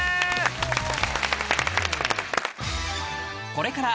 これから